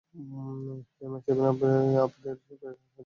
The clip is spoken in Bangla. এমআই-সেভেন আপনাদের সেবায় হাজির।